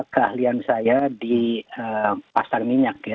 keahlian saya di pasar minyak ya